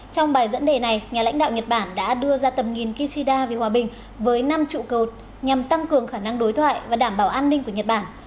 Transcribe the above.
trong bài dẫn đề này nhà lãnh đạo nhật bản đã đưa ra tầm nhìn kishida vì hòa bình với năm trụ cột nhằm tăng cường khả năng đối thoại và đảm bảo an ninh của nhật bản